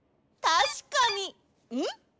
たしかにん？